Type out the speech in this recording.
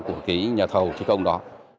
của cái nhà thầu thi công đó